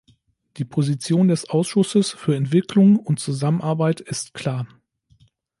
Die Position des Ausschusses für Entwicklung und Zusammenarbeit ist klar.